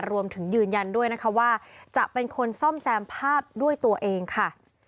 ยืนยันด้วยนะคะว่าจะเป็นคนซ่อมแซมภาพด้วยตัวเองค่ะ